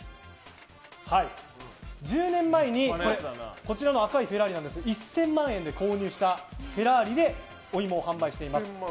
１０年前にこちらの赤いフェラーリなんですが１０００万円で購入したフェラーリでお芋を販売しています。